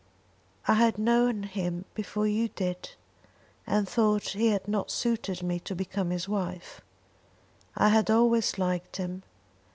"I had known him before you did; and, though it had not suited me to become his wife, I had always liked him.